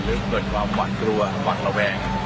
อะไรเกิดความหวั่นกลัวหวังระแวง